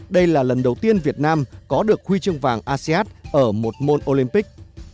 đây là lần đầu tiên việt nam có được huy chương vàng asean ở một môn olympic